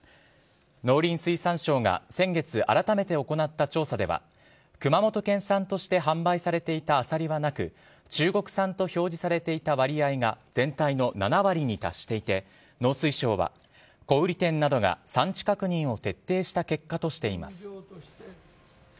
農林水産省が先月あらためて行った調査では熊本県産として販売されていたアサリはなく中国産と表示されていた割合が全体の７割に達していて農水省は小売店などが産地確認を徹底した結果としています。